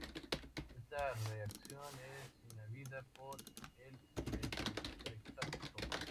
Esta reacción es inhibida por el metotrexato.